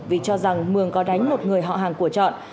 vì cho rằng mường có đánh một người họ hàng của trọn